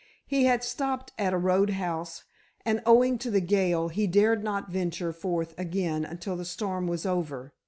He had stopped at a roadhouse, and owing to the gale he dared not venture forth again until the storm was over.